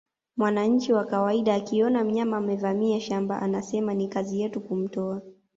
Mwananchi wa kawaida akiona mnyama amevamia shamba anasema ni kazi yetu kumtoa